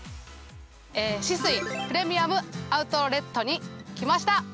◆酒々井プレミアム・アウトレットに来ました。